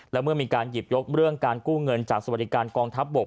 และเมื่อมีการหยิบยกเรื่องการกู้เงินจากสวัสดิการกองทัพบก